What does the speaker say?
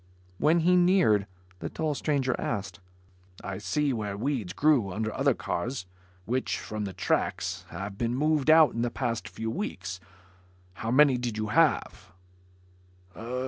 When he neared, the tall stranger asked, "I see where weeds grew under other cars which, from the tracks, have been moved out in the past few weeks. How many did you have?"